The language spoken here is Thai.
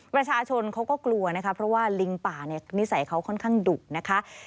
ประชาชนเขาก็กลัวนะคะเพราะว่าลิงป่าเนี่ยนิสัยเขาค่อนข้างดุนะคะ